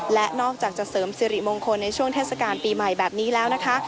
และนอกจากจะเสริมสิริมงคลในช่วงเทศกาลปีใหม่แบบนี้แล้วนะคะ